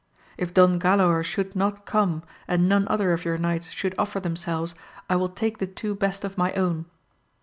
If Don Galaor should not come, and none other of your knights should offer themselves, I will take the two best of my own.